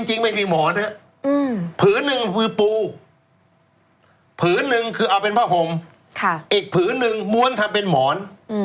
จริงไม่มีหมอนนะครับผืนหนึ่งคือปูผืนหนึ่งคือเอาเป็นผ้าห่มอีกผืนหนึ่งม้วนทำเป็นหมอน